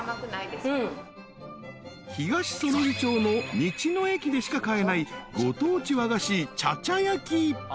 ［東彼杵町の道の駅でしか買えないご当地和菓子］